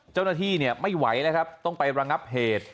เจ้าหน้าที่ไม่ไหวต้องไประงับเหตุ